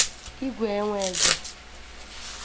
Igwe Enweze